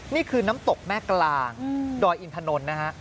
นี่คือน้ำตกแม่กลางดอยอินถนนนะฮะ